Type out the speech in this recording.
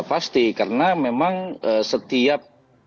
pasti karena memang setiap